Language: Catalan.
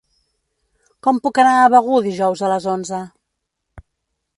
Com puc anar a Begur dijous a les onze?